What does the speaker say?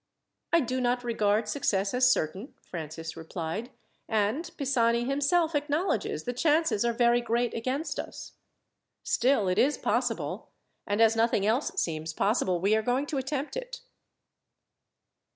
"I do not regard success as certain," Francis replied; "and Pisani himself acknowledges the chances are very great against us. Still, it is possible; and as nothing else seems possible, we are going to attempt it."